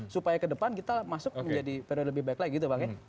supaya ke depan kita masuk menjadi periode lebih baik lagi gitu bang ya